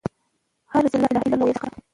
هر ځل لا إله إلا لله ويل صدقه ده